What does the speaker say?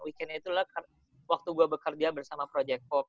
weekendnya itulah waktu gue bekerja bersama project hope